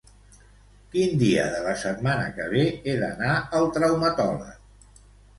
Quin dia de la setmana que ve he d'anar al traumatòleg?